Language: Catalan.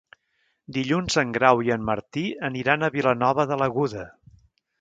Dilluns en Grau i en Martí aniran a Vilanova de l'Aguda.